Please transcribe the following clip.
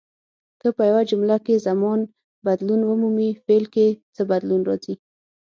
که په یوه جمله کې زمانه بدلون ومومي فعل کې څه بدلون راځي.